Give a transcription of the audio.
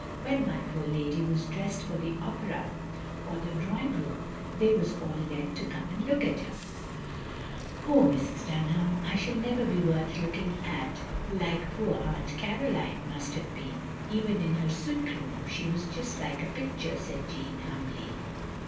When my poor lady was dressed for the Opera or the Drawing room, they was all let to come and look at her. " "Oh, Mrs. Dtmham, I shall never be worth looking at like poor Aunt Caroline must have been. Even in her sick room she was just like a picture, " said Jeanne, humbly.